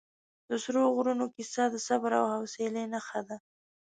د سرو غرونو کیسه د صبر او حوصلې نښه ده.